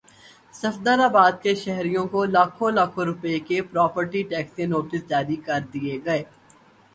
صفدرآباد کے شہریوں کو لاکھوں لاکھوں روپے کے پراپرٹی ٹیکس کے نوٹس جاری کردیئے گئے